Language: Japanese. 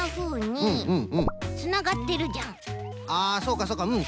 あそうかそうかうん。